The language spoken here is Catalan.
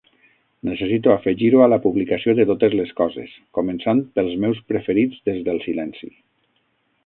Necessito afegir-ho a la publicació de totes les coses, començant pels meus preferits des del silenci